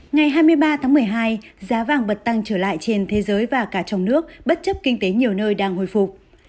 ngày hai mươi ba tháng một mươi hai giá vàng bật tăng trở lại trên thế giới và cả trong nước bất chấp kinh tế nhiều nơi đang hồi phục